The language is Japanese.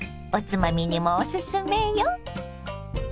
おつまみにもおすすめよ。